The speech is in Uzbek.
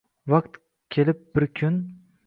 Vakt kelib bir kun.